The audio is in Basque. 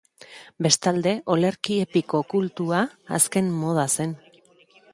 Bestalde, olerki epiko kultua azken moda zen.